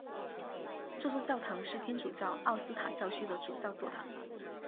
这座教堂是天主教奥斯塔教区的主教座堂。